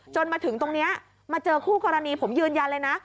มาถึงตรงนี้มาเจอคู่กรณีผมยืนยันเลยนะ